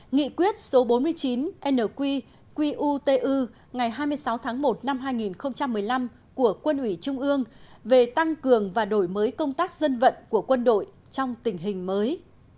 nghị quyết số bốn mươi chín nqutu ngày hai mươi sáu tháng một năm hai nghìn một mươi năm của quân ủy trung ương về tăng cường và đổi mới công tác dân vận của quân đội trong tình hình mới